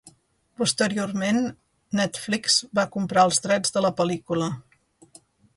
Posteriorment, Netflix va comprar els drets de la pel·lícula.